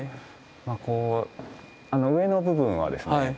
あの上の部分はですね